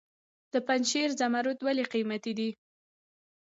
د پنجشیر زمرد ولې قیمتي دي؟